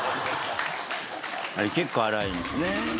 あれ結構荒いんですね。